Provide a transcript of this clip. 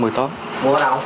mua ở đâu